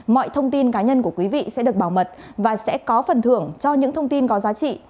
mọi thông tin cá nhân của quý vị sẽ được bảo mật và sẽ có phần thưởng cho những thông tin có giá trị